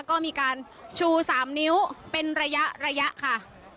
ก็มีการชู๓นิ้วเป็นระยะค่ะ